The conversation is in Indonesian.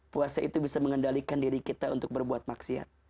puasa itu bisa mengendalikan diri kita untuk berbuat maksiat